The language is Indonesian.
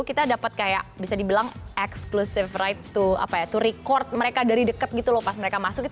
kita dapat kayak bisa dibilang exclusive right to apa ya to record mereka dari deket gitu loh pas mereka masuk